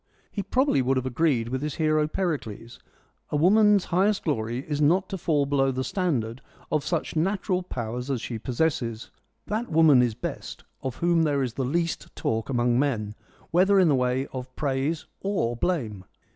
He probably would have agreed with his hero Pericles, ' a woman's highest glory is not to fall below the standard of such natural powers as she possesses : that woman is best of whom there is the least talk among men, whether in the way of praise or blame.'